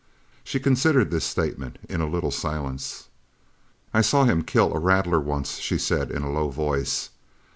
She considered this statement in a little silence. "I saw him kill a rattler once," she said in a low voice.